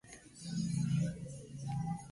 Difícil periodo de la historia de Polonia.